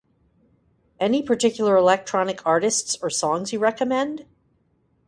Any particular electronic artists or songs you recommend?